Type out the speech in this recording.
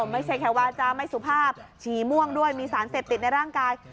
ไม่ใช่แค่วาจาไม่สุภาพฉี่ม่วงด้วยมีสารเสพติดในร่างกาย